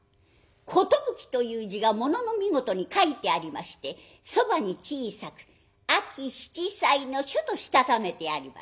「寿」という字が物の見事に書いてありましてそばに小さく「秋七歳の書」としたためてあります。